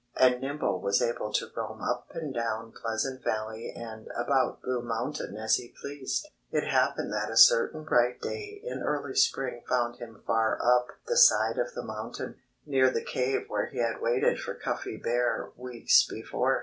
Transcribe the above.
And Nimble was able to roam up and down Pleasant Valley and about Blue Mountain as he pleased. It happened that a certain bright day in early spring found him far up the side of the mountain, near the cave where he had waited for Cuffy Bear weeks before.